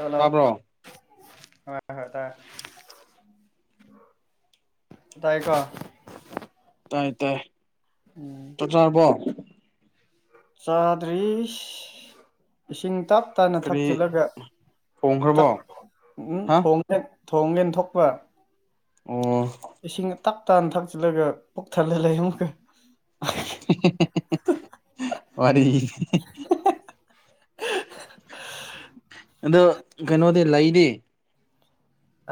Hello ꯇꯥꯕ꯭ꯔꯣ ꯑ ꯍꯣ ꯇ ꯇꯥꯏꯀꯣ ꯇꯥꯏ ꯇꯥꯏ ꯎꯝ ꯆꯊꯔꯔꯕꯣ ꯆꯥꯗ꯭ꯔꯤꯁ ꯏꯁꯤꯡ ꯇꯞ ꯞꯇꯥꯥꯅ ꯀꯔꯤ ꯊꯛꯆꯤꯜꯂꯒ ꯊꯣꯡꯈ꯭ꯔꯕꯣ ꯎꯝ ꯍꯥ ꯊꯣꯡ ꯊꯣꯡꯉꯦꯟ ꯊꯣꯛꯄ ꯑꯣꯝ ꯏꯁꯤꯡ ꯇꯥꯛ ꯇꯥꯅ ꯊꯛꯆꯤꯜꯂꯒ ꯄꯨꯣꯛ ꯊꯜꯂ ꯂꯩ ꯑꯃꯨꯛꯀ ꯋꯥꯔꯤ ꯑꯗꯣ ꯀꯩꯅꯣꯗꯤ ꯂꯩꯗꯤ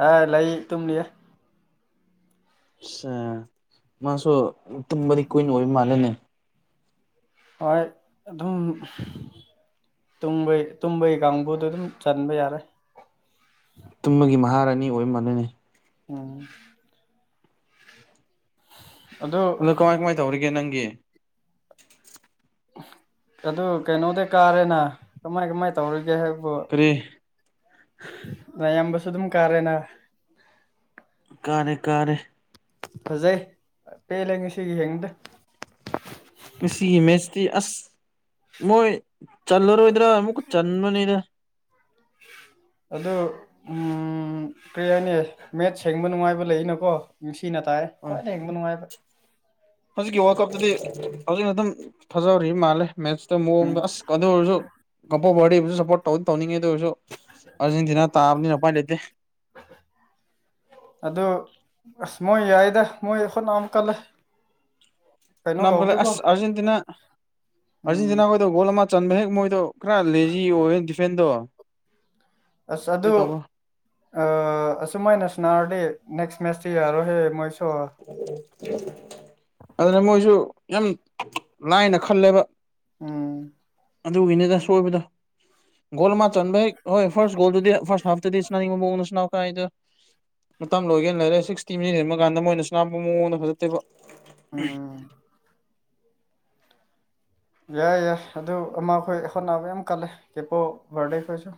ꯑ ꯂꯩ ꯇꯨꯝꯂꯤꯌꯦ ꯁ ꯃꯥꯁꯨ ꯇꯨꯝꯕꯗꯤ ꯀꯨꯏꯟ ꯑꯣꯏꯕ ꯃꯥꯜꯂꯦꯅꯦ ꯍꯣꯏ ꯑꯗꯨꯝ ꯇꯨꯝꯕꯩ ꯇꯨꯝꯕꯩ ꯀꯥꯡꯕꯨꯗꯣ ꯑꯗꯨꯝ ꯆꯟꯕ ꯌꯥꯔꯦ ꯇꯨꯝꯕꯒꯤ ꯃꯍꯥꯔꯥꯅꯤ ꯑꯣꯏꯔꯃꯜꯅꯅꯤ ꯑꯣ ꯑꯗꯨ ꯑꯗꯣ ꯀꯃꯥꯏ ꯀꯃꯥꯏ ꯇꯧꯔꯤꯒꯦ ꯅꯪꯒꯤ ꯑꯗꯨ ꯀꯩꯅꯣꯗꯤ ꯀꯥꯔꯦꯅ ꯀꯃꯥꯏ ꯀꯃꯥꯏ ꯇꯧꯔꯤꯒꯦ ꯍꯥꯏꯕꯨ ꯀꯔꯤ ꯅ ꯌꯥꯝꯕꯁꯨ ꯑꯗꯨꯝ ꯀꯥꯔꯦꯅ ꯀꯥꯔꯦ ꯀꯥꯔꯦ ꯐꯖꯩ ꯄꯦꯜꯂꯦ ꯉꯁꯤꯒꯤ ꯍꯡꯗ ꯉꯥꯒꯤ ꯏꯃꯦꯖꯇꯤ ꯑꯁ ꯃꯣꯏ ꯆꯜꯂꯔꯣꯏꯗ꯭ꯔꯥ ꯑꯃꯨꯛꯀ ꯆꯟꯕꯅꯤꯗ ꯑꯗꯣ ꯎꯝ ꯀꯔꯤ ꯍꯥꯏꯅꯦ ꯃꯦꯠ ꯁꯦꯡꯕ ꯅꯨꯡꯉꯥꯏꯕ ꯂꯩꯅꯀꯣ ꯅꯨꯡꯁꯤꯅ ꯇꯥꯏ ꯍꯣꯏ ꯈꯋꯥꯢ ꯌꯦꯡꯕ ꯅꯨꯡꯉꯥꯏꯕ ꯍꯧꯖꯤꯛꯀꯤ ꯋꯥꯔꯜ ꯀꯞꯇꯨꯗꯤ ꯍꯧꯖꯤꯛꯅ ꯑꯗꯨꯝ ꯐꯖꯍꯧꯔꯤꯕ ꯃꯥꯜꯂꯦ ꯃꯦꯠ ꯇ ꯃꯑꯣꯡ ꯗꯣ ꯑꯁ ꯀ ꯑꯣꯏꯔꯁꯨ ꯑ ꯔꯗꯕꯨꯁꯨ ꯁꯞꯄꯣꯔꯠ ꯇꯧꯅ ꯇꯧꯅꯤꯡꯉꯦ ꯑꯗꯨ ꯑꯣꯏꯔꯁꯨ ꯑꯥꯖꯦꯟꯇꯤꯅꯥ ꯇꯥꯕꯅꯤꯅ ꯎꯄꯥꯏ ꯂꯩꯇꯦ [unintelligible] ꯑꯗꯣ ꯑꯁ ꯃꯣꯏ ꯌꯥꯏꯗ ꯃꯣꯏ ꯍꯣꯠꯅ ꯀꯜ ꯂꯦ ꯅꯝ ꯀꯜꯂꯦ ꯑꯁ ꯑꯔꯖꯦꯟꯇꯤꯅꯥ ꯑꯔꯖꯦꯟꯇꯤꯅꯥ ꯀ ꯗꯣ ꯒꯣꯜ ꯑꯃ ꯆꯟꯕ ꯍꯦꯛ ꯃꯣꯏꯗꯣ ꯈꯔ ꯂꯦꯖꯤ ꯑꯣꯏꯦ ꯗꯤꯐꯦꯟꯗꯣ ꯑꯁ ꯀꯔꯤ ꯑꯗꯨ ꯇꯧꯕ꯭ꯔꯣ ꯑ ꯑꯁꯨꯨꯝꯃꯥꯏꯅ ꯁꯅꯔꯗꯤ ꯅꯦꯛꯁ ꯃꯦꯠꯇꯤ ꯌꯥꯔꯣꯏꯍꯦ ꯃꯣꯏꯁꯨ ꯑꯗꯨꯅ ꯃꯣꯏꯁꯨ ꯌꯥꯝ ꯂꯥꯏꯅ ꯈꯜꯂꯦꯕ ꯎꯝ ꯑꯗꯨꯒꯤꯅꯤꯗ ꯁꯣꯏꯕꯗꯣ ꯒꯣꯜ ꯑꯃ ꯆꯟꯕ ꯍꯦꯛ ꯍꯣꯏ ꯐꯥꯔꯁ ꯒꯣꯜꯗꯨꯗꯤ ꯐꯥꯔꯁ ꯍꯥꯐꯇꯗꯤ ꯁꯅꯥꯅꯤꯡꯉꯕꯅꯥꯎ ꯀꯥꯏꯗꯣ ꯃꯇꯝ ꯂꯣꯏꯒꯦꯅ ꯂꯩꯔꯦ ꯁꯤꯛꯁꯇꯤꯁꯤ ꯁꯦꯝꯟꯕ ꯀꯥꯟꯗ ꯃꯣꯏꯅꯁꯨꯅꯥꯕ ꯃꯑꯣꯡꯗ ꯐꯖꯠꯇꯦꯕ ꯎꯝ ꯌꯥꯏ ꯌꯥꯏ ꯑꯗꯨ ꯑꯃ ꯑꯩꯈꯣꯏ ꯍꯣꯠꯅꯥꯕ ꯌꯥꯝ ꯀꯜꯂꯦ ꯀꯦꯄꯣ ꯕꯥꯔꯗꯦ ꯈꯣꯏꯁꯨ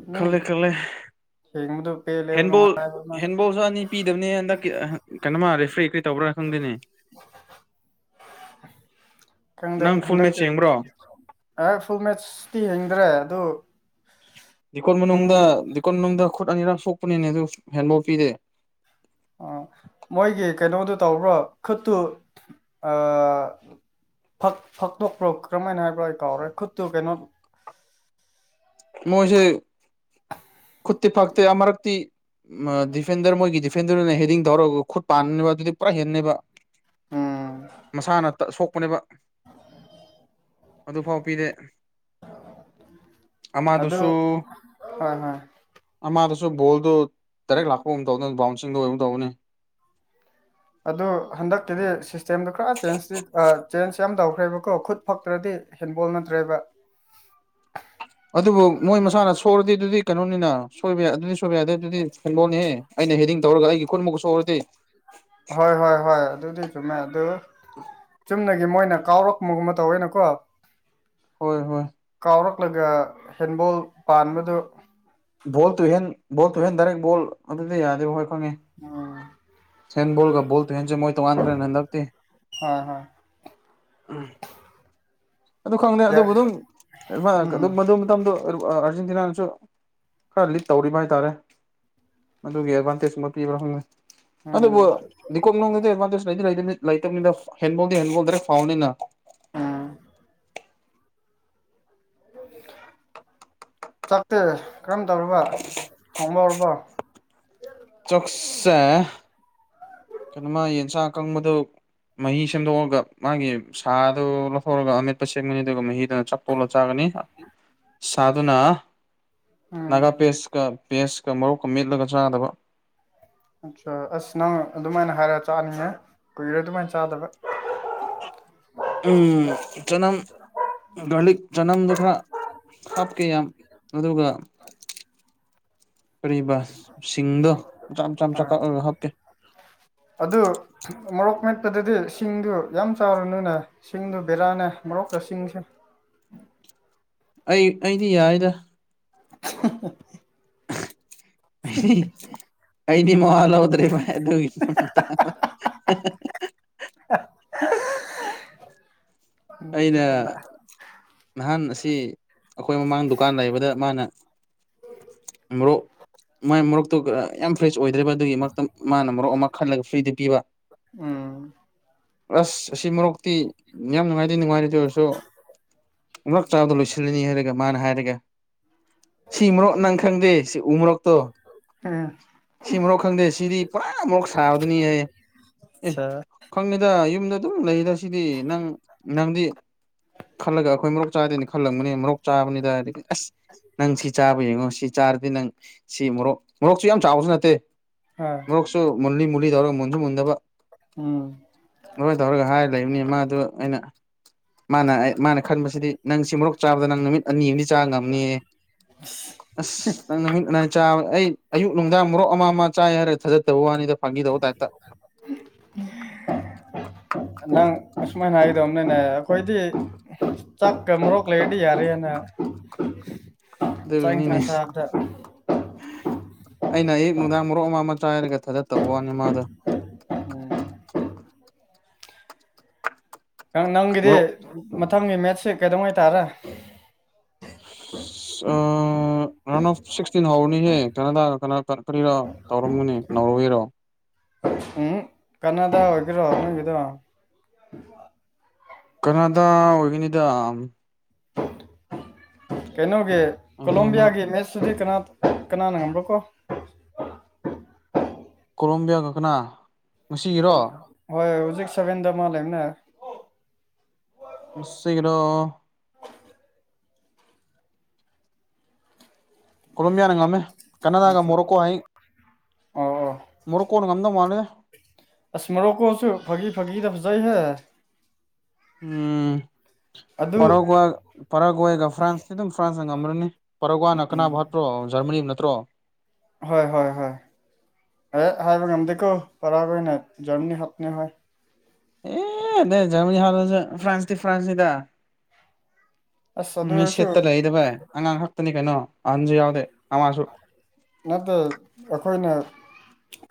ꯑꯗꯨꯝ ꯈꯜꯂꯦ ꯈꯜꯂꯦ ꯌꯦꯡꯕꯗꯨ ꯄꯦꯜꯂꯦꯕ ꯍꯦꯟꯕꯣꯜ ꯅꯨꯡꯉꯥꯏꯕ ꯃꯥꯅ ꯍꯦꯟꯕꯣꯜꯁꯨ ꯑꯅꯤ ꯄꯤꯗꯕꯅꯦ ꯍꯟꯗꯛꯀꯤ ꯀꯩꯅꯣꯃ ꯔꯦꯐ꯭ꯔꯤ ꯀꯔꯤ ꯇꯧꯕ꯭ꯔꯥ ꯈꯪꯗꯦꯅꯦ ꯈꯪꯗꯦ ꯅꯪ ꯐꯨꯜ ꯃꯦꯠꯆ ꯍꯟꯗꯛꯀꯤ ꯌꯦꯡꯕ꯭ꯔꯣ ꯑꯦ ꯐꯨꯜ ꯃꯦꯠꯁꯇꯤ ꯍꯤꯡꯗ꯭ꯔꯦ ꯑꯗꯨ ꯗꯤꯀꯣꯟ ꯄꯨꯡ ꯃꯅꯨꯡꯗ ꯗꯤꯀꯣꯟ ꯃꯅꯨꯡꯗ ꯈꯨꯠ ꯑꯅꯤꯔꯛ ꯁꯣꯛꯄꯅꯤꯅꯦ ꯑꯗꯨ ꯍꯦꯟꯕꯣꯜ ꯄꯤꯔꯦ ꯃꯣꯏꯒꯤ ꯀꯩꯅꯣꯗꯨ ꯇꯧꯕ꯭ꯔꯣ ꯈꯨꯠꯇꯨ ꯑ ꯐ ꯐꯛꯇꯣꯛꯄ꯭ꯔꯣ ꯀꯔꯝꯥꯏꯅ ꯍꯥꯏꯕ꯭ꯔꯣ ꯑꯩ ꯀꯥꯎꯔꯦ ꯈꯨꯠꯇꯨ ꯀꯩꯅꯣ ꯃꯣꯏꯁꯦ ꯈꯨꯠꯇꯤ ꯐꯥꯛꯇꯦ ꯑꯃꯔꯛꯇꯤ ꯗꯤꯐꯦꯟꯗꯔ ꯃꯣꯏꯒꯤ ꯗꯤꯐꯦꯟꯗꯔꯗꯨꯅ ꯍꯦꯗꯤꯡ ꯊꯧꯔꯒ ꯈꯨꯠ ꯄꯥꯟꯅꯦꯅꯕ ꯑꯗꯨꯗꯤ ꯄꯨꯔꯥ ꯍꯦꯟꯅꯩꯕ ꯎꯝ ꯃꯁꯥꯅꯇ ꯁꯣꯛꯄꯅꯦꯕ ꯑꯗꯨꯐꯥꯎ ꯄꯤꯗꯦ [inaudible] ꯑꯗꯨ ꯑꯃꯗꯨꯁꯨ ꯍꯣꯏ ꯍꯣꯏ ꯑꯃꯗꯁꯨ ꯕꯣꯜꯗꯣ ꯗꯔꯦꯛ ꯂꯥꯛꯄꯒꯨꯝ ꯇꯧꯗꯅ ꯕꯥꯎꯟꯁꯤꯡꯗꯣ ꯑꯣꯏꯒꯨꯝ ꯇꯧꯕꯅꯤ ꯑꯗꯣ ꯍꯟꯗꯛꯀꯤꯗꯤ ꯁꯤꯁꯇꯦꯝꯗꯣ ꯈꯔ ꯆꯦꯟꯖꯇꯤ ꯆꯦꯟꯖ ꯌꯥꯝ ꯇꯧꯈ꯭ꯔꯦꯕꯀꯣ ꯈꯨꯠ ꯐꯛꯇ꯭ꯔꯗꯤ ꯍꯦꯟꯕꯣꯜ ꯅꯠꯇ꯭ꯔꯦꯕ ꯑꯗꯨꯕꯨ ꯃꯣꯏ ꯃꯁꯥꯅ ꯁꯣꯏꯨꯔꯗꯤ ꯑꯗꯨꯗꯤ ꯀꯩꯅꯣꯅꯤꯅ ꯁꯣꯏꯕ ꯌꯥ ꯑꯗꯨꯗꯤ ꯁꯣꯏꯕ ꯌꯥꯗ ꯑꯗꯨꯗꯤ ꯍꯦꯟꯕꯣꯜꯅꯤꯍꯦ ꯑꯩꯅ ꯍꯦꯗꯤꯡ ꯇꯧꯔꯒ ꯑꯩꯒꯤ ꯈꯨꯟꯃꯛꯨ ꯁꯣꯛꯑꯗꯤ ꯍꯣꯏ ꯍꯣꯏ ꯍꯣꯏ ꯑꯗꯨꯗꯤ ꯆꯨꯝꯃꯦ ꯑꯗꯨ ꯆꯨꯝꯅꯦ ꯃꯣꯏꯅ ꯀꯥꯎꯔꯛꯄꯒꯨꯝꯕ ꯇꯧꯋꯦꯅꯀꯣ ꯍꯣꯏ ꯍꯣꯏ ꯀꯥꯎꯔꯛꯂꯒ ꯍꯦꯟꯕꯣꯜ ꯄꯥꯟꯕꯗꯨ ꯕꯣꯜ ꯇꯨꯍꯦꯟ ꯕꯣꯜ ꯇꯨꯍꯦꯟ ꯗꯥꯏꯔꯦꯛ ꯕꯣꯜ ꯑꯗꯨꯗꯤ ꯌꯥꯗꯦꯕ ꯍꯣꯏ ꯈꯪꯉꯦ ꯑꯣ ꯍꯦꯟ ꯕꫭꯜꯒ ꯕꫭꯜꯇꯨ ꯍꯦꯟꯁꯦ ꯃꯣꯏ ꯇꯨꯉꯥꯟꯈ꯭ꯔꯦꯅꯦ ꯍꯥꯟꯗꯥꯛꯇꯤ ꯍꯣꯏ ꯍꯣꯏ ꯑꯗꯨ ꯈꯪꯗꯦ ꯌꯥꯏ ꯑꯗꯨꯕꯨ ꯑꯗꯨꯝ ꯃꯥ ꯎꯝ ꯑꯗꯨꯝ ꯃꯗꯨ ꯃꯇꯝꯗꯣ ꯑꯥꯔꯖꯦꯟꯇꯤꯅꯥꯅꯁꯨ ꯈꯔ ꯂꯤꯠ ꯇꯧꯔꯤꯕ ꯍꯥꯏꯇꯥꯔꯦ ꯑꯗꯨꯒꯤ ꯑꯦꯗꯚꯥꯟꯇꯦꯖ ꯑꯃ ꯄꯤꯕ꯭ꯔꯥ ꯈꯪꯗꯦ ꯎꯝ ꯑꯗꯨꯕꯨ ꯅꯤꯀꫭ [unintelligible] ꯗꯤ ꯑꯦꯗꯚꯥꯟꯇꯦꯖ ꯂꯩꯗꯤ ꯂꯩꯇꯃꯤꯠ ꯂꯩꯇꯕꯅꯤꯅ ꯍꯦꯟꯕꯣꯜꯗꯤ ꯍꯦꯟꯕꯣꯜ ꯗꯔꯦꯛ ꯐꯥꯎꯕꯅꯤꯅ ꯎꯝ ꯆꯥꯛꯇꯤ ꯀꯔꯝ ꯇꯧꯔꯕ ꯊꫭꯡꯕ ꯍꯧꯔꯕꯣ ꯆꯥꯛꯁꯦ ꯀꯩꯅꯣꯃ ꯌꯦꯟꯁꯥꯡ ꯑꯀꯪꯕꯗꯨ ꯃꯍꯤ ꯁꯦꯝꯗꯣꯛꯑꯒ ꯃꯥꯒꯤ ꯁꯥꯗꯨ ꯂꯧꯊꯣꯛꯔꯒ ꯑꯃꯦꯠꯄ ꯁꯦꯝꯒꯅꯤ ꯑꯗꯨꯒ ꯃꯍꯤ ꯆꯥꯛ ꯇꯣꯠꯂ ꯆꯥꯒꯅꯤ ꯁꯥꯗꯨꯨꯅ ꯎꯝ ꯅꯒꯥ ꯄꯦꯁ ꯀ ꯄꯦꯁꯀ ꯃꯣꯔꯣꯛ ꯀ ꯃꯦꯠꯂꯒ ꯆꯥꯗꯨꯕ ꯑꯠꯆꯥꯥ ꯑꯁ ꯅꯪ ꯑꯗꯨꯃꯥꯏꯅ ꯍꯥꯏꯔ ꯆꯥꯅꯤꯅꯦꯌꯦ ꯀꯨꯏꯔꯦ ꯑꯗꯨꯃꯥꯏꯅ ꯆꯥꯗꯕ ꯎꯝ ꯆꯅꯝ ꯒꯥꯔꯂꯤꯛ ꯆꯅꯝꯗꯨ ꯈꯔ ꯍꯥꯞꯀꯦ ꯌꯥꯝ ꯑꯗꯨꯒ ꯀꯔꯤꯕ ꯁꯤꯡꯗꯣ ꯃꯆꯥ ꯃꯆꯥ ꯀꯛꯑꯒ ꯍꯥꯞꯀꯦ ꯑꯗꯨ ꯃꯣꯔꯣꯛ ꯃꯦꯠꯄꯗꯗꯤ ꯁꯤꯡꯗꯨ ꯌꯥꯝ ꯆꯥꯔꯅꯨꯅꯦ ꯁꯤꯡꯗꯣ ꯕꯦꯔꯥꯅꯦ ꯃꯣꯔꯣꯛꯀ ꯁꯤꯡꯁꯦ ꯑꯩ ꯑꯩꯗꯤ ꯌꯥꯏꯗ [unintelligible] ꯑꯩꯗꯤ ꯃꯋꯥꯥ ꯂꯧꯗ꯭ꯔꯦꯕ ꯑꯗꯨꯒꯤ ꯃꯇꯥꯡꯗ [unintelligible] ꯑꯩꯅ ꯅꯍꯥꯟ ꯑꯁꯤ ꯑꯩꯈꯣꯏ ꯃꯃꯥꯡ ꯗꯨꯀꯥꯟ ꯂꯩꯕꯗ ꯃꯥꯅ ꯃꯣꯔꯣꯛ ꯃꯥꯏ ꯃꯣꯔꯣꯛꯇꯨ ꯌꯥꯝ ꯐ꯭ꯔꯦꯁ ꯑꯣꯏꯗ꯭ꯔꯦꯕ ꯑꯗꯨꯒꯤ ꯃꯔꯛꯇ ꯃꯥꯅ ꯃꯣꯔꯣꯛ ꯑꯃ ꯈꯜꯂꯒ ꯐ꯭ꯔꯤꯗꯨ ꯄꯤꯕ ꯎꯝ ꯑꯁ ꯑꯁꯤ ꯃꯣꯔꯣꯛꯇꯤ ꯌꯥꯝ ꯅꯨꯡꯉꯥꯏ ꯁꯤ ꯅꯨꯡꯉꯥꯏꯔꯦꯗꯣ ꯑꯣꯏꯔꯁꯨ ꯑꯃꯨꯔꯛ ꯆꯥꯕꯗ ꯂꯣꯏꯁꯤꯜꯂꯅꯤ ꯍꯥꯏꯔꯒ ꯃꯥꯅ ꯍꯥꯏꯔꯒ ꯁꯤ ꯃꯣꯔꯣꯛ ꯅꯪ ꯈꯪꯗꯦ ꯁꯤ ꯎꯃꯣꯔꯣꯛꯇꯣ ꯑꯥ [unintelligible] ꯁꯤ ꯃꯣꯔꯣꯛ ꯈꯪꯗꯦ ꯁꯤꯗꯤ ꯄꯨꯔꯥ ꯃꯣꯔꯣꯛ ꯁꯥꯕꯗꯨꯅꯤ ꯑꯦ ꯑꯠꯆꯥ ꯈꯪꯉꯤꯗ ꯌꯨꯝꯗ ꯑꯗꯨꯝ ꯂꯩꯔ ꯁꯤꯗꯤ ꯅꯪ ꯅꯪꯗꯤ ꯈꯜꯂꯒ ꯑꯩꯈꯣꯏ ꯃꯣꯔꯣꯛ ꯆꯥꯗꯦꯅ ꯈꯜꯂꯝꯕꯅꯤ ꯃꯣꯔꯣꯛ ꯆꯥꯕꯅꯤꯗ ꯍꯥꯏꯗꯤ ꯑꯁ ꯅꯪ ꯁꯤ ꯆꯥꯕ ꯌꯦꯡꯉꯣ ꯁꯤ ꯆꯥꯔꯗꯤ ꯅꯪ ꯁꯤ ꯃꯣꯔꯣꯛ ꯃꯣꯔꯣꯛꯁꯨ ꯌꯥꯝ ꯆꯥꯎꯕꯁꯨ ꯅꯠꯇꯦ ꯍꯥ [unintelligible] ꯃꯣꯔꯣꯛꯁꯨ ꯃꯨꯜꯂꯤ ꯃꯨꯜꯂꯤ ꯇꯧꯔꯒ ꯃꯨꯟꯁꯨ ꯃꯨꯟꯗꯕ ꯎꯝ ꯃꫭꯏ ꯇꯧꯔꯒ ꯍꯥꯏꯔ ꯂꯩꯕꯅꯤ ꯃꯥꯗꯨ ꯑꯩꯅ ꯃꯥꯅ ꯃꯥꯅ ꯈꯟꯕꯁꯤꯗꯤ ꯅꯪ ꯁꯤ ꯃꯣꯔꯣꯛ ꯆꯥꯕꯗ ꯅꯪ ꯅꯨꯃꯤꯠ ꯑꯅꯤ ꯆꯥꯕ ꯉꯝꯅꯤꯌꯦ ꯑꯁ ꯅꯪ ꯅꯃꯤꯠ ꯅꯅꯥꯏ ꯆꯥꯕ ꯑꯩ ꯑꯌꯨꯛ ꯅꯨꯡꯗꯥꯡ ꯃꯣꯔꯣꯛ ꯑꯃ ꯑꯃ ꯆꯥꯏ ꯍꯥꯏꯔꯒ ꯊꯥꯖꯗꯕ ꯋꯥꯅꯤꯗ ꯐꯥꯒꯤ ꯇꯧꯕ ꯇꯥꯏꯞꯇ [unintelligible] ꯅꯪ ꯑꯁꯨꯃꯥꯏꯅ ꯍꯥꯏꯒꯗꯕꯅꯤꯅꯦ ꯑꯩꯈꯣꯏꯗꯤ ꯆꯥꯛꯀ ꯃꯣꯔꯣꯛ ꯂꯩꯔꯗꯤ ꯌꯥꯔꯦꯅ ꯆꯥꯛ ꯑꯗꯨꯒꯤꯅꯤꯅꯦ ꯏꯟꯁꯥꯡ ꯆꯥꯕꯗ ꯑꯩꯅ ꯑꯌꯨꯛ ꯅꯨꯡꯗꯥꯡ ꯃꯣꯔꯣꯛ ꯑꯃ ꯑꯃ ꯆꯥꯏ ꯍꯥꯏꯔꯒ ꯊꯥꯖꯗꯕꯩ ꯋꯥꯅꯤ ꯃꯥꯗꯣ ꯅꯪ ꯅꯪꯒꯤꯗꯤ ꯃꯣꯔꯣꯛ ꯃꯊꯪꯒꯤ ꯃꯦꯠꯁꯤ ꯀꯩꯗꯧꯉꯩ ꯇꯥꯔꯦ ꯔꯥꯎꯟ ꯑꯣꯐ ꯁꯤꯛꯁꯇꯤꯟ ꯍꯧꯔꯅꯤꯍꯦ ꯀꯅꯥꯗꯥ ꯀ ꯀꯔꯤꯔꯣ ꯇꯧꯔꯝꯒꯅꯤ ꯅꯣꯔꯋꯦꯔꯣ ꯎꯝ ꯀꯅꯥꯗ ꯑꯣꯏꯒꯦꯔꯣ ꯅꯪꯗꯣ ꯀꯅꯥꯗ ꯑꯣꯏꯒꯅꯤꯗ ꯀꯩꯅꯣꯒꯤ ꯑꯃꯅ ꯀꯣꯂꯣꯕꯤꯌꯥꯒꯤ ꯃꯦꯠꯁꯇꯨꯗꯤ ꯀꯅꯥ ꯀꯅꯥꯅ ꯉꯪꯕ꯭ꯔꯣ ꯀꯣ ꯀꯣꯂꯣꯝꯕꯤꯌꯥ ꯀꯅ ꯍꯣꯏ ꯍꯧꯖꯤꯛ ꯁꯚꯦꯟꯗ ꯑꯃ ꯂꯩꯕꯅꯦ ꯉꯁꯤꯒꯤꯔꯣ ꯀꯣꯂꯝꯣꯕꯤꯌꯥꯅ ꯉꯝꯃꯦ ꯀꯅꯥꯗꯥꯒ ꯑꯆꯥ ꯃꯣꯔꯣꯀꯣ ꯍꯌꯦꯡ ꯑꯣ ꯑꯣ ꯃꯣꯔꯣꯛꯀꯣꯅ ꯉꯝꯗꯧ ꯃꯥꯜꯂꯦ ꯃꯣꯔꯣꯀꯣꯁꯨ ꯐꯥꯒꯤ ꯐꯥꯒꯤꯗ ꯐꯖꯩꯍꯦ ꯎꯝ ꯑꯗꯨ ꯄꯔꯥꯒꯋꯦ ꯄꯔꯥꯒꯋꯦꯒ ꯐ꯭ꯔꯥꯟꯁꯁꯤ ꯑꯗꯨꯝ ꯐ꯭ꯔꯥꯟꯁꯅ ꯉꯝ꯭ꯔꯅꯤ ꯄꯔꯥꯒꯋꯦꯅ ꯀꯅꯥ ꯍꯥꯠꯄꯔꯣ ꯖꯔꯃꯅꯤ ꯅꯠꯇ꯭ꯔꯣ ꯍꯣꯏ ꯍꯣꯏ ꯍꯣꯏ ꯑꯦ ꯍꯥꯏꯕ ꯉꯝꯗꯦꯀꯣ ꯫ ꯑꯦ ꯅꯦ ꯖꯔꯃꯅꯤ ꯍꯥꯄꯁꯨ ꯐ꯭ꯔꯥꯟꯁꯗꯤ ꯐ꯭ꯔꯥꯟꯁꯅꯤꯗꯥ ꯑꯁ ꯑꯗꯨ ꯃꯤ ꯑꯣꯏꯔꯁꯨ ꯁꯦꯠꯇ ꯂꯩꯗꯥ ꯕꯥꯏ ꯑꯉꯥꯡ ꯈꯛꯇꯅꯤ ꯀꯩꯅꯣ ꯑꯍꯟꯁꯨ ꯌꯥꯎꯗꯦ ꯑꯃꯁꯨ꯫ ꯅꯠꯇꯦ ꯑꯩꯈꯣꯏꯅ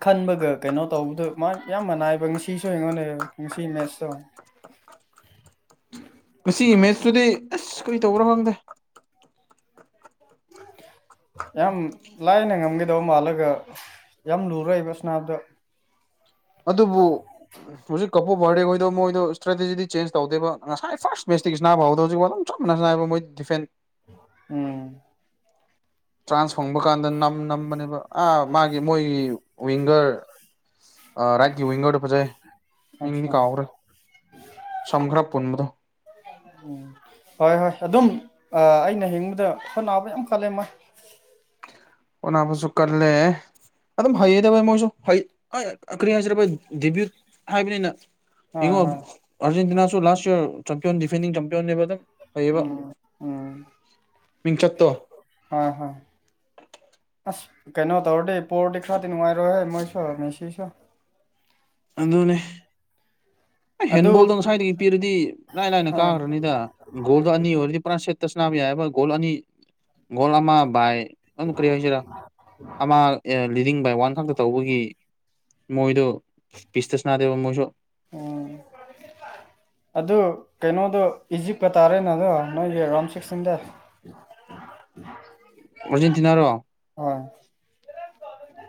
ꯈꯟꯕꯒꯥ ꯀꯩꯅꯣ ꯇꯧꯕꯗꫭ ꯃꯥ ꯌꯥꯝ ꯃꯅꯥꯏꯕ ꯉꯁꯤꯁꯨ ꯑꯩꯡꯉꯣꯟꯗ ꯅꯦꯕꯥ ꯉꯁꯤ ꯃꯦꯠꯁꯇꯣ꯫ [unintelligible] [inaudible] ꯃꯁꯤꯒꯤ ꯏꯃꯦꯖꯇꯨꯗꯤ ꯑꯥꯁ ꯀꯔꯤ ꯇꯧꯕ꯭ꯔꯥ ꯈꯪꯗꯦ꯫ [inaudible] ꯌꯥꯝ ꯂꯥꯏꯅ ꯉꯝꯒꯥꯗꯧꯕꯥ ꯃꯥꯜꯔꯒꯥ꯫ ꯌꯥꯝ ꯂꯨꯔ° ꯕꯥ ꯁꯥꯅꯕꯗꫭ ꯑꯗꯨꯕꯨ ꯍꯧꯖꯤꯛꯛ꯫ ꯀꯥꯕꯥꯔꯦ ꯕꯥꯗꯔꯈꯣꯏꯗꫭ ꯃꯣꯏꯗꯣ ꯏꯁꯇꯦꯇꯖꯤꯗꯤ ꯆꯦꯟ ꯇꯧꯗꯦꯕ ꯉꯁꯥꯏ ꯐꯥꯔꯁ ꯃꯦꯁꯇꯤꯁ ꯁꯥꯟꯅꯥꯕ ꯍꯧꯕꯗꫭ ꯑꯗꯨꯝ ꯆꯨꯝꯅ ꯅꯥ ꯁꯥꯅ° ꯍꯥꯏꯕꯥ ꯃꯣꯏꯒꯤ ꯗꯤꯐꯦꯟ ꯎꯝꯝ ꯆ꯭ꯔꯥꯟꯁ ꯍꯪꯕꯥ ꯀꯥꯟꯗ ꯅꯝ ꯅꯝꯕꯅꯦꯕꯥ ꯫ ꯑꯥ ꯃꯥꯒꯤ ꯃꯣꯏꯒꯤ ꯋꯤꯡꯒꯔ ꯑꯥ ꯔꯥꯏꯠꯀꯤ ꯋꯤꯡꯒꯔꯗꯣ ꯐꯖꯩ ꯑꯠꯆꯥ ꯃꯤꯡꯗꯤ ꯀꯥꯎꯍꯧꯈ꯭ꯔꯦ꯫ ꯁꯪ ꯈꯔ ꯄꯨꯟꯕꯗꫭ ꯎꯝ ꯍꯣꯏ ꯍꯣꯏ ꯑꯗꯨꯝ ꯑꯩꯅ ꯌ°ꯡꯕꯗꯥ ꯍꯣꯠꯅꯕꯥ ꯌꯥꯝ ꯀꯜꯂꯦ ꯃꯥꯥꯏꯗꫭ ꯍꫭꯠꯅꯕꯁꯨ ꯀꯜꯂꯦ ꯑꯗꯨꯝ ꯍꯩꯌꯦꯗꯥ ꯃꯣꯏꯁꯨ ꯀꯔꯤ ꯍꯥꯏꯖ ꯗꯤ꯭ꯨꯠ ꯍꯥꯏꯕꯅꯤꯅꯥ꯫ ꯍꯣꯏ ꯍꯣꯏ ꯌ°ꯡꯑꫭ ꯑꯔꯖꯦꯟꯇꯤꯅꯥꯁꯨ ꯂꯥꯁ ꯌꯥꯌꯔ ꯆ°ꯄ°ꯅꯤꯡ ꯗꯤꯗꯔꯗꯅꯤꯅꯥ ꯐꯌꯦꯕꯥ ꯎꯝ ꯎꯝ ꯃꯤꯡꯆꯠꯇꯣ꯫ ꯑꯥ ꯍꯥ ꯑꯥꯁ ꯀꯩꯅꯣ ꯇꯧꯔꯗꯤ ꯄꯣꯔꯗꯤ ꯈꯔꯗꯤ ꯅꯨꯡꯉꯥꯏꯔꯣꯏꯍꯦ ꯃꯣꯏꯁꯨ ꯃꯦꯁꯤꯁꯨ꯫ ꯑꯗꯨꯅꯦ꯫ ꯑꯩ ꯑꯗꯨ ꯍꯦꯟꯕꯣꯜꯗꯣ ꯉꯁꯥꯏꯗꯒꯤ ꯄꯤꯔꯗꯤ ꯏꯂꯥꯏ ꯂꯥꯏꯅ ꯍ ꯀꯥꯈ꯭ꯔꯅꯤꯗ ꯒꯣꯜꯗꯣ ꯑꯅꯤ ꯑꯣꯏꯔꯗꯤ ꯄꯔꯥ ꯁꯦꯠ ꯑ°ꯇ°ꯛ ꯁꯥꯅꯕꯥ ꯌꯥꯌ°ꯕꯥ ꯒꫭꯟ ꯑꯅꯤꯜ ꯒꫭꯟ ꯑꯃ ꯕꯥꯏꯑꯥꯁ ꯀꯔꯤ ꯍꯥꯏꯁꯤꯔ ꯑꯃ ꯂꯤꯗꯤꯡ ꯕꯥꯏ ꯋꯥꯟ ꯈꯛꯇꯪ ꯇꯧꯕꯒꯤ꯫ ꯃꯣꯏꯗꫭ ꯄꯤꯁꯇꯥ ꯁꯥꯅꯗꯦꯕꯥ ꯃꯣꯏꯁꯨ ꯑꫭꯑ ꯑꯗꯨ ꯀꯩꯅꯣꯗꯣ ꯏꯖꯤꯞꯀꯥ ꯇꯥꯔꯦꯅꯥ ꯗꯣ ꯅꯣꯏꯒꯤ ꯔꯥꯎꯟ ꯁꯤꯛꯁꯇꯤꯟꯗꯥ꯫ ꯑꯔꯖꯦꯟꯇꯤꯅꯥ ꯔꫭ꯫ ꯑꯥꯎꯎ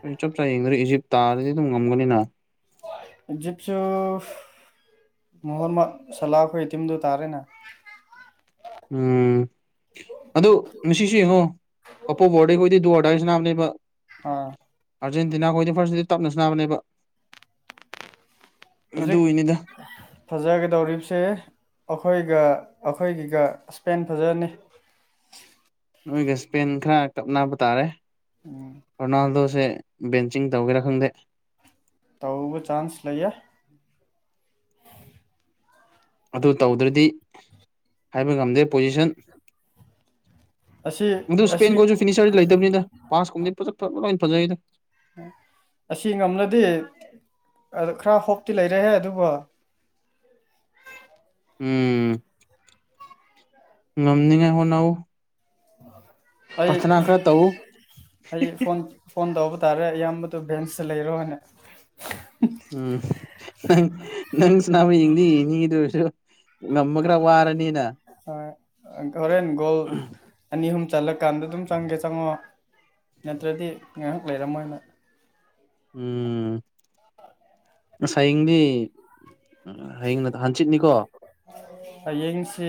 ꯑꯩ ꯆꯞ ꯆꯥꯏꯅꯥ ꯌꯦꯡꯗꯔꯦ ꯏꯖꯤꯞ ꯇꯥꯔꯗꯤ ꯑꯗꯨꯝ ꯉꯝꯒꯅꯤꯅꯥ꯫ ꯏꯋꯤꯞꯁꯨ ꯃꯥꯍꯟꯃꯠ ꯁꯂꯥꯈꯣꯏꯒꯤ ꯇꯤꯝꯗꯨ ꯇꯥꯔꯦꯅꯥ꯫ ꯎꯝꯝ ꯝ ꯑꯗꯨ ꯉꯁꯤꯁꯨ ꯌꯦꯡꯉꯣ ꯀꯕꫭ ꯕꯣꯔꯗꯩ ꯑꯩꯈꯣꯏꯗꯤ ꯗꯨ ꯑꯔ ꯗꯥꯏ ꯁꯥ ꯅꯥꯕꯅꯦꯕꯥ꯫ ꯑꯥꯑ ꯑꯥꯔꯖꯦꯟꯇꯅꯥ ꯈꫭꯏꯗꯤ ꯐꯥꯔꯇꯗꯤ ꯇꯞꯅꯅꯥ ꯁꯥꯅꯦꯕꯥꯅꯤꯕꯥ꯫ ꯃꯗꯨꯒꯤ ꯅꯤꯗꯥ ꯐꯖꯔ° ꯅꯣꯏꯒꯥ ꯏꯁꯄꯦꯟ ꯈꯔ ꯀꯞꯅꯕꯥ ꯇꯥꯔꯦ ꯔꯣꯅꯥꯜꯗꯣ ꯁꯦ꯫ ꯕꯦꯟꯆꯤꯡꯗꯥ ꯇꯧꯒꯦꯔꯥ ꯈꯪꯗꯦ꯫ ꯇꯧꯕꯩ ꯆꯥꯟꯁ ꯂꯩꯌꯦ꯫ [unintelligible] [inaudible] ꯑꯗꯨ ꯇꯧꯗ꯭ꯔꯗꯤ ꯍꯥꯏꯕꯥ ꯉꯝꯗꯦ ꯄꯣꯖꯤꯁꯟꯗꯤ꯫ ꯑꯁꯤ ꯑꯗꯨ ꯑꯁꯤ ꯏꯁꯄꯦꯟ ꯈꫭꯏꯁꯨ ꯐꯤꯅꯤꯁꯔꯗꯤ ꯂꯩꯇꯕꯅꯤꯗ ꯄꯥꯁ ꯀꯨꯝꯕꯗꯤ ꯂꯣꯏꯅ ꯐꯖꯩꯗꯥ꯫ ꯑꯁꯤ ꯉꯝꯂꯗꯤ ꯑꯥꯗ ꯈꯔ ꯍꯣꯞꯇꯤ ꯂꯩꯔꯍꯦ ꯑꯗꯨꯕꯨ꯫ ꯎꯝꯝ ꯉꯝꯅꯤꯡꯉ ꯍꯨꯅ ꯑꯩ ꯈꯔ ꯇꯧ ꯑꯩ ꯐꯣꯟꯣꯟ ꯐꯣꯟ ꯇꯧꯕ ꯇꯥꯔꯦ ꯑꯌꯥꯝꯕꯗ ꯕꯦꯟꯁꯇ ꯂꯩꯔꯣꯅꯦ ꯎꯝ ꯅꯪ ꯅꯪꯁꯨꯅꯥꯕ ꯌꯦꯡꯗꯤ ꯉꯝꯃ ꯈꯔ ꯋꯥꯔꯅꯤꯅ ꯍꯣꯏ ꯍꯣꯔꯦꯟ ꯒꯣꯜ ꯑꯅꯤ ꯑꯍꯨꯝ ꯆꯠꯂꯀꯥꯟꯗ ꯑꯗꯨꯝ ꯆꯪꯒꯦ ꯆꯪꯉꯣ ꯅꯠꯇ꯭ꯔꯗꯤ ꯉꯥꯏꯍꯥꯛ ꯂꯩꯔꯝꯃꯣꯏꯅ ꯎꯝ ꯉꯁꯥꯏꯌꯦꯡꯗꯤ ꯎꯝ ꯍꯌꯦꯡ ꯍꯥꯟꯆꯤꯠꯅꯤꯀꯣ ꯍꯌꯦꯡꯁꯤ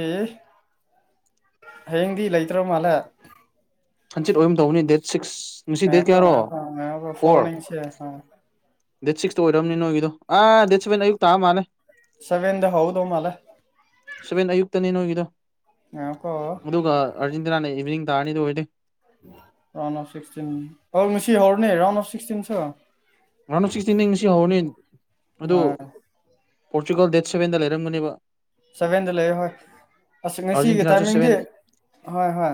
ꯍꯌꯦꯡꯗꯤ ꯂꯩꯇ꯭ꯔ ꯃꯥꯜꯂꯦ ꯍꯟꯆꯤꯠ ꯑꯣꯏꯝ ꯇꯧꯅꯤ ꯗꯦꯠ ꯁꯤꯛꯁ ꯉꯁꯤ ꯃ ꯗꯦꯠ ꯀꯌꯥꯔꯣ ꯐꯣꯔ ꯐꯦ ꯗꯦꯠ ꯁꯤꯛꯁꯇ ꯑꯣꯏꯔꯝꯅꯤ ꯅꯣꯏꯒꯤꯗꯣ ꯑꯥ ꯗꯦꯠ ꯁꯦꯚꯦꯟ ꯑꯌꯨꯛ ꯇꯥ ꯃꯥꯜꯂꯦ ꯁꯚꯦꯟꯗ ꯍꯧꯗꯧ ꯃꯥꯜꯂꯦ ꯁꯕꯦꯟ ꯑꯌꯨꯛꯇꯅꯦ ꯅꯣꯏꯒꯤꯗꯣ ꯉ ꯀ ꯑꯗꯨꯒ ꯑꯥꯔꯖꯦꯟꯇꯤꯅꯥꯅ ꯏꯚꯤꯅꯤꯡ ꯇꯥꯔꯅꯤꯗꯤ ꯑꯣꯏꯗꯦ ꯔꯥꯎꯟꯁ ꯑꯔꯁꯤ ꯍꯔꯅꯦ round of sixteen round of sixteen ꯅꯤꯡ ꯁꯤ ꯍꯧꯔꯅꯤ ꯑꯗꯨ ꯍꯣꯏ ꯄꯣꯔꯆꯨꯒꯜ ꯗꯦꯠ ꯁꯕꯦꯟꯗ ꯂꯩꯔꯝꯒꯅꯦꯕ ꯁꯚꯦꯟꯗ ꯂꯩ ꯍꯣꯏ ꯑꯁ ꯉꯁꯤꯒꯤ ꯑꯥꯔꯖꯦꯟꯇꯤꯅꯥꯁꯨ ꯇꯥꯏꯃꯤꯡꯗꯤ ꯍꯣꯏ ꯍꯣꯏ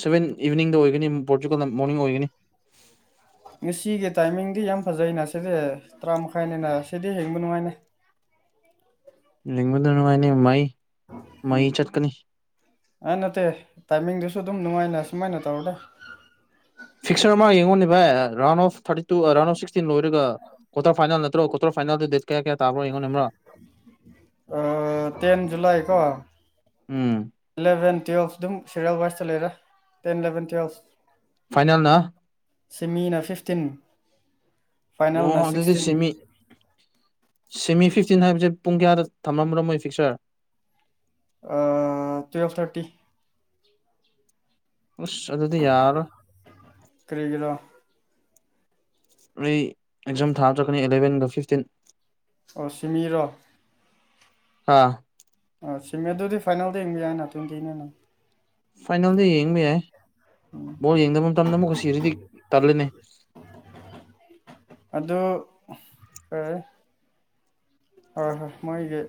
ꯁꯕꯦꯟ ꯏꯚꯤꯅꯤꯡꯗ ꯑꯣꯏꯒꯅꯤ ꯄꯣꯔꯆꯨꯀꯜꯗ ꯃꯣꯔꯅꯤꯡ ꯑꯣꯏꯒꯅꯤ ꯉꯁꯤꯒꯤ ꯇꯥꯏꯃꯤꯡꯗꯤ ꯌꯥꯝ ꯐꯖꯩꯅ ꯁꯤꯗꯤ ꯇꯔꯥ ꯃꯈꯥꯏꯅꯤꯅ ꯁꯤꯗꯤ ꯍꯦꯡꯕ ꯅꯨꯡꯉꯥꯏꯅꯦ ꯌꯦꯡꯕꯗ ꯅꯨꯡꯉꯥꯏꯅꯤ ꯃꯩ ꯃꯩ ꯆꯠꯀꯅꯤ ꯑꯥ ꯅꯠꯇꯦ ꯇꯥꯏꯃꯤꯡꯗꯨꯁꯨ ꯑꯗꯨꯝ ꯅꯨꯡꯉꯥꯏꯅ ꯁꯨꯃꯥꯏꯅ ꯇꯧꯔꯗ ꯐꯤꯛꯁꯔ ꯑꯃ ꯌꯦꯡꯉꯣꯅꯦ ꯚ round of thirty two round of sixteen ꯂꯣꯏꯔꯒ ꯀꯣ ꯐꯥꯏꯜ ꯅꯠꯇ꯭ꯔ ꯀꯣ ꯐꯥꯏꯜ ꯀꯌꯥ ꯀꯌꯥ ꯇꯥ ꯇꯦꯟꯦꯟ ꯖꯨꯂ ꯀꯣ ꯎꯝ ꯏꯂꯚꯦꯟ ꯇꯨꯌꯦꯜꯞ ꯑꯗꯨꯝ ꯁꯦꯔꯤꯌꯦꯜ ꯋꯥꯏꯁꯇ ꯂꯩꯔꯥ ꯇꯦꯟ ꯏꯂꯚꯦꯟ ꯇꯨꯌꯦꯜꯞ ꯐꯥꯏꯅꯜꯅ ꯁꯤꯃꯤꯅ ꯐꯤꯐꯇꯤꯟ ꯑꯣ ꯐꯥꯏꯅꯦꯜꯅ ꯁꯤꯛꯁꯇꯤꯟ ꯁꯤꯦꯃꯤ ꯐꯤꯐꯇꯤꯟ ꯍꯥꯏꯕꯁꯦ ꯄꯨꯡ ꯀꯌꯥꯗ ꯊꯝꯂꯝꯝꯕ꯭ꯔꯣ ꯃꯣꯏ ꯐꯤꯛꯁ ꯑꯣꯏꯔꯦ ꯇ꯭ꯨꯋꯦꯜ ꯊꯥꯔꯇꯤ ꯑꯁ ꯑꯗꯨꯗꯤ ꯌꯥꯔꯣꯏ ꯇꯔꯤ ꯀꯂꯣ ꯑꯩ ꯑꯦꯛꯖꯥꯝ ꯊꯥꯗ꯭ꯔꯛꯀꯅꯤ ꯑꯦꯂꯕꯦꯟꯒ ꯐꯤꯐꯇꯤꯟ ꯑꯣ ꯁꯤꯃꯤꯔ ꯑꯥ ꯑ ꯁꯤꯃꯦꯦꯟ ꯑꯗꯨꯗꯤ ꯐꯥꯏꯅꯦꯜꯗ ꯌꯦꯡꯕ ꯌꯥꯏꯅ ꯇ꯭ꯋꯦꯟꯇꯤ ꯅꯪ ꯐꯥꯏꯅꯦꯜꯗ ꯌꯦꯡꯕ ꯌꯥꯏ ꯕꯣꯜ ꯌꯦꯡꯗꯕ ꯃꯇꯝꯗ ꯑꯃꯨꯛ ꯁꯤꯔꯗꯤ ꯇꯜꯂꯅꯤ ꯑꯗꯨ ꯀ ꯍꯣꯏ ꯍꯣꯏ ꯃꯣꯏꯒꯤ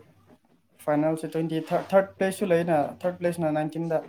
ꯐꯥꯏꯅꯦꯜꯁꯦ ꯇ꯭ꯋꯦꯟꯇꯤ ꯊꯥꯔꯠ ꯄ꯭ꯂꯦꯁꯁꯨ ꯂꯩꯅ ꯊꯥꯔꯠ ꯄ꯭ꯂꯦꯁꯅ ꯅꯥꯏꯟꯇꯤꯟꯗ